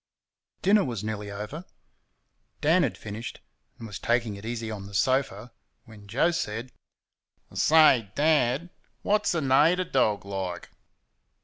Dinner was nearly over; Dan had finished, and was taking it easy on the sofa, when Joe said: "I say, Dad, what's a nater dog like?"